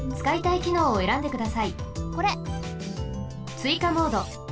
ついかモード。